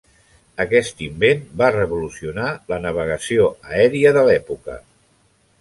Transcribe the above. Aquest invent va revolucionar la navegació aèria de l'època.